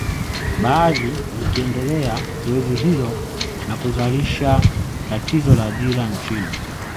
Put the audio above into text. Baadhi zikiendeleza zoezi hilo na kuzalisha tatizo la ajira nchini